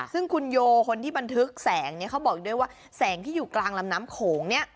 ซึ่งคุณโยคนที่บันทึกแสงเขาบอกด้วยว่าแสงที่อยู่กลางลำน้ำโขง